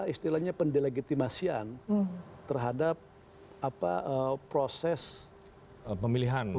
istilahnya pendelegitimasian terhadap proses pemilihan kepala daerah